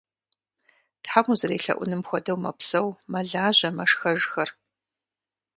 Тхьэм узэрелъэӏунум хуэдэу мэпсэу, мэлажьэ, мэшхэжхэр.